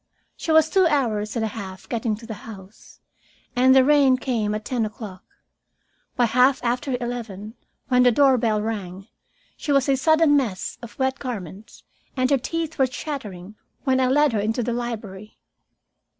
She was two hours and a half getting to the house, and the rain came at ten o'clock. By half after eleven, when the doorbell rang, she was a sodden mass of wet garments, and her teeth were chattering when I led her into the library.